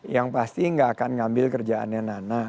yang pasti gak akan ngambil kerjaannya nana